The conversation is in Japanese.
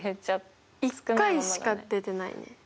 １回しか出てないね。